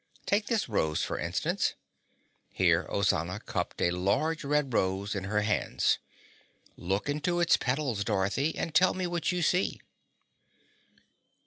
Take this rose, for instance." Here Ozana cupped a large red rose in her hands. "Look into its petals, Dorothy, and tell me what you see."